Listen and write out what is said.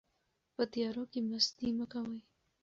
په تیارو کې مستي مه کوئ.